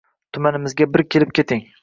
Tumanimizga bir kelib keting